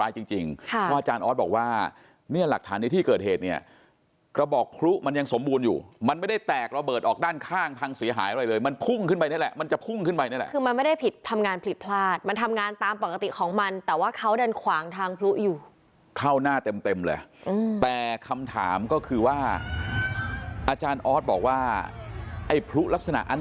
จริงจริงค่ะเพราะอาจารย์ออสบอกว่าเนี่ยหลักฐานในที่เกิดเหตุเนี่ยกระบอกพลุมันยังสมบูรณ์อยู่มันไม่ได้แตกระเบิดออกด้านข้างพังเสียหายอะไรเลยมันพุ่งขึ้นไปนี่แหละมันจะพุ่งขึ้นไปนี่แหละคือมันไม่ได้ผิดทำงานผิดพลาดมันทำงานตามปกติของมันแต่ว่าเขาดันขวางทางพลุอยู่เข้าหน้าเต็มเต็มเลยแต่คำถามก็คือว่าอาจารย์ออสบอกว่าไอ้พลุลักษณะอัน